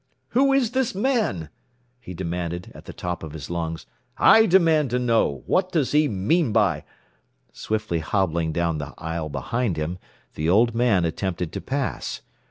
"Who is this man?" he demanded at the top of his lungs. "I demand to know! What does he mean by ?" Swiftly hobbling down the aisle behind him, the old man attempted to pass.